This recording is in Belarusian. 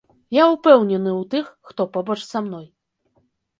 Я ўпэўнены ў тых, хто побач са мной.